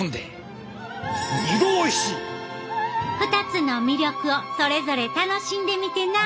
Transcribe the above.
２つの魅力をそれぞれ楽しんでみてな。